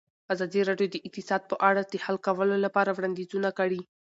ازادي راډیو د اقتصاد په اړه د حل کولو لپاره وړاندیزونه کړي.